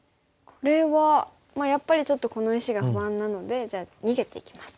これはまあやっぱりちょっとこの石が不安なのでじゃあ逃げていきますか。